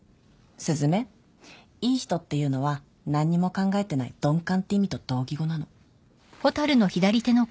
雀いい人っていうのは何にも考えてない鈍感って意味と同義語なの。